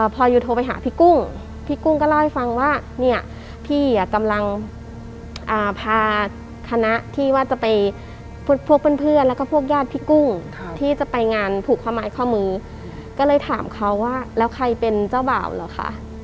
พอยูโทรไปหาพี่กุ้งพี่กุ้งก็เล่าให้ฟังว่าเนี่ยพี่กำลังพาคณะที่ว่าจะไปพวกเพื่อนแล้วก็พวกญาติพี่กุ้งที่จะไปงานผูกข้อไม้ข้อมือก็เลยถามเขาว่าแล้วใครเป็นเจ้าบ่าวเหรอคะ